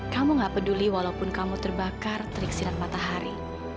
kamu nggak peduli walaupun kamu terbakar terik silat matahari